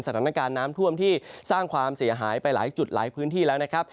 สถานการณ์น้ำท่วมที่สร้างความเสียหายไปหลายจุดหลายพื้นที่แล้วนะครับ